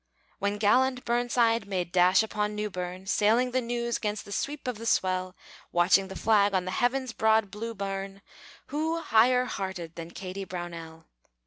When gallant Burnside made dash upon Newberne, Sailing the Neuse 'gainst the sweep of the swell, Watching the flag on the heaven's broad blue burn, Who higher hearted than Kady Brownell?